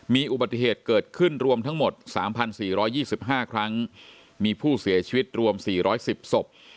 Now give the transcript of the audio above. มีอุบัติเหตุเกิดขึ้นรวมทั้งหมด๓๔๒๕ครั้งมีผู้เสียชีวิตรวม๔๑๐ศพ